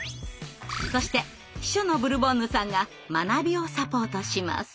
そして秘書のブルボンヌさんが学びをサポートします。